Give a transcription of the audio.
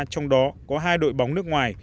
trong đó có hai đội bóng nước ngoài